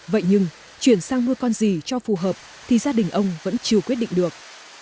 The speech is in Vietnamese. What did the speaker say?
vậy nhưng chuyển sang nuôi con gì cho phù hợp thì gia đình ông vẫn chưa quyết định được